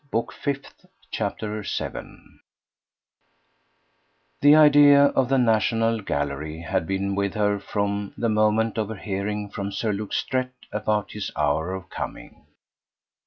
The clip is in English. Book Fifth, Chapter 7 The idea of the National Gallery had been with her from the moment of her hearing from Sir Luke Strett about his hour of coming.